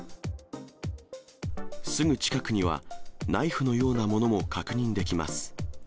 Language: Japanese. すぐ近くにはナイフのようなものも確認できます。